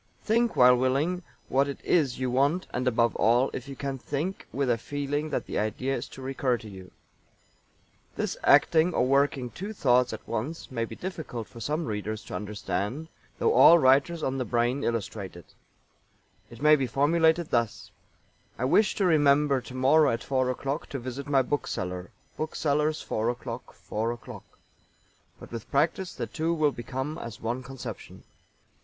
Think while willing what it is you want, and above all, if you can, think with a feeling that the idea is to recur to you. This acting or working two thoughts at once may be difficult for some readers to understand, though all writers on the brain illustrate it. It may be formulated thus: "I wish to remember tomorrow at four o'clock to visit my bookseller bookseller's four o'clock four o'clock." But with practice the two will become as one conception.